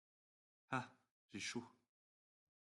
Ah ! j’ai chaud !…